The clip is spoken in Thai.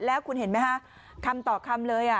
แล้วคุณเห็นไหมคะคำต่อคำเลย